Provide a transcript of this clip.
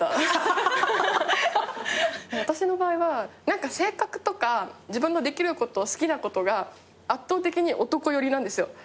私の場合は性格とか自分のできること好きなことが圧倒的に男寄りなんですよ。